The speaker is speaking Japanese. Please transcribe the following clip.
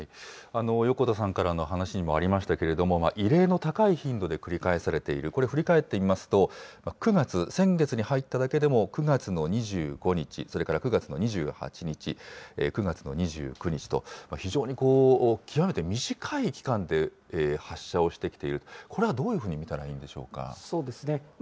横田さんからの話にもありましたけれども、異例の高い頻度で繰り返されている、これ、振り返ってみますと、９月、先月に入っただけでも９月の２５日、それから９月の２８日、９月の２９日と、非常に極めて短い期間で発射をしてきている、これはどういうふうそうですね。